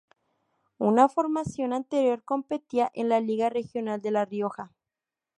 Una formación anterior competía en la Liga Regional de La Rioja.